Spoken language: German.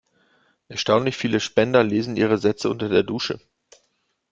Erstaunlich viele Spender lesen ihre Sätze unter der Dusche.